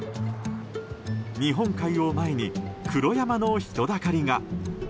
日本海を前に黒山の人だかりが。